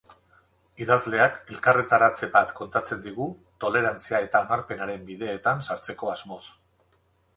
Idazleak elkarretaratze bat kontatzen digu, tolerantzia eta onarpenaren bideetan sartzeko asmoz.